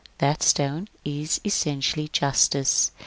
... That stone is, essentially. Justice.